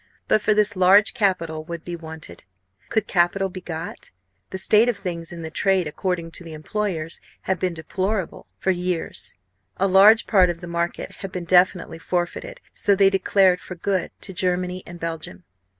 But for this large capital would be wanted. Could capital be got? The state of things in the trade, according to the employers, had been deplorable for years; a large part of the market had been definitely forfeited, so they declared, for good, to Germany and Belgium.